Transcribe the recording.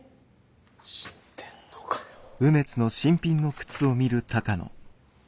知ってんのかよ。